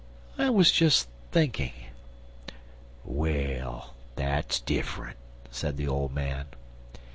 "I was just thinking." "Well, dat's diffunt," said the old man.